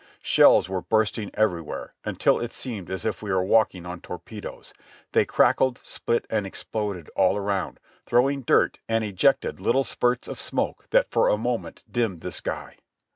Shells were bursting every where, until it seemed as if we were walking on torpedoes. They crackled, split and exploded all around, throwing dirt and eject ing little spirts of smoke that for a moment dimmed the sky.